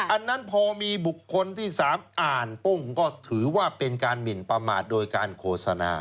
อันนั้นพอมีบุคคลที่๓อ่านปุ้งก็ถือว่าเป็นการหมินประมาทโดยการโฆษณา